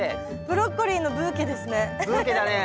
ブロッコリーのブーケですね。